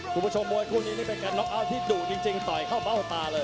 คุณผู้ชมมวยคู่นี้นี่เป็นการน็อกอัลที่ดูดจริงต่อยเข้าเบ้าตาเลย